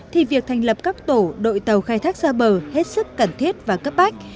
thì việc thành lập các tổ đội tàu khai thác xa bờ hết sức cần thiết và cấp bách